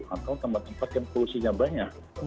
atau tempat tempat yang polusinya banyak